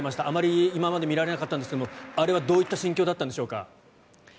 あまり今まで見られなかったんですがあれはどういった心境だったんでしょうか？